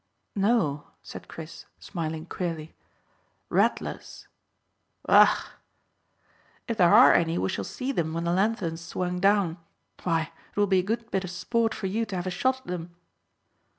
"No," said Chris, smiling queerly. "Rattlers." "Ugh!" "If there are any we shall see them when the lanthorn's swung down. Why, it will be a good bit of sport for you to have a shot at them."